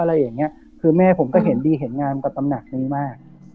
อะไรอย่างเงี้ยคือแม่ผมก็เห็นดีเห็นงามกับตำหนักนี้มาก